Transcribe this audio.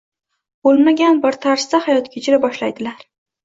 Bo’lmagan bir tarzda hayot kechira boshlaydilar.